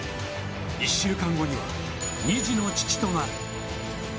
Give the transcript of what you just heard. １週間後には２児の父となる。